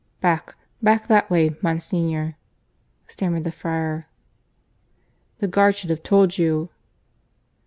"Back back that way, Monsignor," stammered the friar. "The guard should have told you."